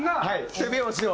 手拍子を。